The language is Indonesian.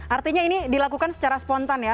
artinya ini dilakukan secara spontan ya